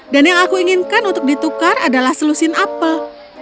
dan yang aku inginkan untuk ditukar adalah selusin apel